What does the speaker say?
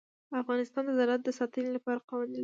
افغانستان د زراعت د ساتنې لپاره قوانین لري.